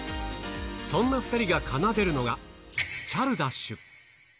そんな２人が奏でるのが、チャルダッシュ。